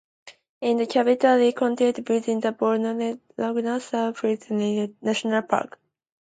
It is completely contained within the boundaries of Laguna San Rafael National Park.